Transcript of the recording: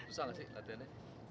susah gak sih latihannya